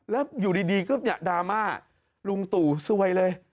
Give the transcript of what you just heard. แล้วอยู่ดีก็เนี่ยดราม่าลุงตู่ซวยเลย